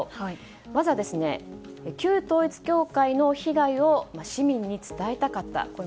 まずは、旧統一教会の被害を市民に伝えたかった。